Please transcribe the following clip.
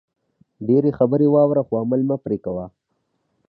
ډېرو خبرې واوره خو عمل مه پرې کوئ